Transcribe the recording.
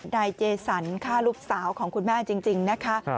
นายเจสันฆ่าลูกสาวของคุณแม่จริงนะคะ